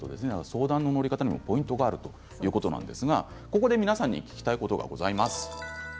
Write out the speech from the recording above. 相談の乗り方にもポイントがあるということですがここで皆さんに聞きたいことがございます。